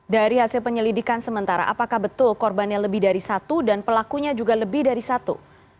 dari hasil penyelidikan sementara apakah betul korbannya lebih dari satu dan pelakunya juga lebih dari satu